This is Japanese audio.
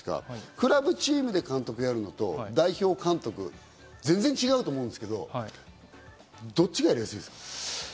クラブチームで監督をやるのと代表監督、全然違うと思うんですけど、どっちがやりやすいですか？